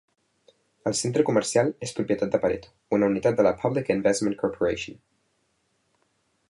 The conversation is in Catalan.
El centre comercial és propietat de Pareto, una unitat de la Public Investment Corporation.